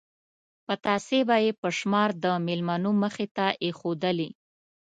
پتاسې به یې په شمار د مېلمنو مخې ته ایښودلې.